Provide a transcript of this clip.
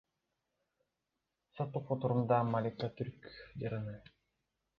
Соттук отурумда Малика түрк жараны М.